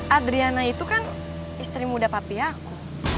adriana itu kan istri muda papi aku